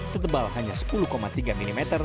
setebal hanya sepuluh tiga mm